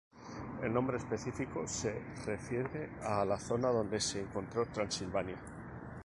El nombre específico se refiere a la zona donde se encontró, Transilvania.